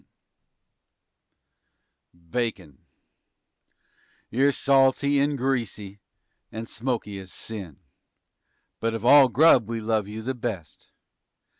_" BACON You're salty and greasy and smoky as sin But of all grub we love you the best.